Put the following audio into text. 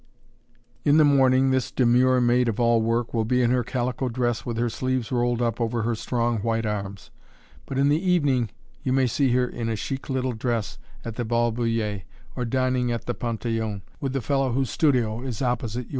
In the morning, this demure maid of all work will be in her calico dress with her sleeves rolled up over her strong white arms, but in the evening you may see her in a chic little dress, at the "Bal Bullier," or dining at the Panthéon, with the fellow whose studio is opposite yours.